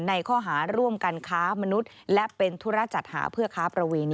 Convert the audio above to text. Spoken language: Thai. ในข้อหาร่วมกันค้ามนุษย์และเป็นธุระจัดหาเพื่อค้าประเวณี